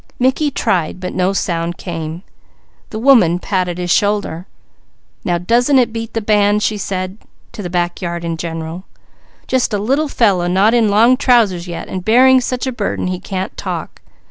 Mickey tried but no sound came. The woman patted his shoulder. "Now doesn't it beat the band?" she said, to the backyard in general. "Just a little fellow not in long trousers yet, and bearing such a burden he can't talk.